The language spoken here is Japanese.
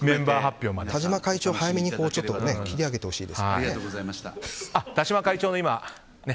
田嶋会長は早めに切り上げてほしいですね。